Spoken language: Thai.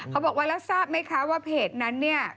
เขาบอกว่าแล้วทราบไหมคะว่าเพจนั้นเนี่ย